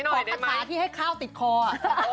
ของประสาที่ให้ขวาติดโค้อ่ะ